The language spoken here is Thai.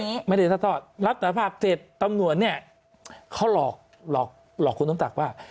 ไม่ได้ซัดทอดรับสารภาพเสร็จตำรวจเนี่ยเขาหลอกหลอกหลอกคุณน้ำศักดิ์ว่า